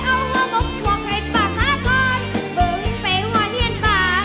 เอาหัวบกพวกให้ปากหาทอนบึงไปหัวเฮียนป่า